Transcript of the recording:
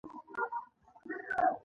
د افغانستان ماشومان سوله غواړي